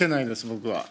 僕は。